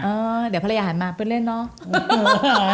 เดี๋ยวภรรยาหันมาเพื่อนเล่นเนาะ